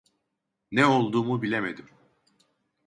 Ne olduğumu bilemedim.